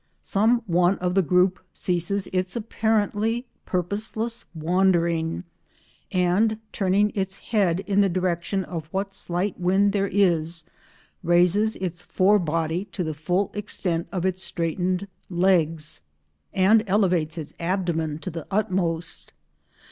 Some one of the group ceases its apparently purposeless wandering, and, turning its head in the direction of what slight wind there is, raises its fore body to the full extent of its straightened legs, and elevates its abdomen to the utmost.